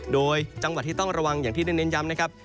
นอกจากนี้เองนะครับในบริเวณพื้นที่ที่อยู่ตามเขานะครับ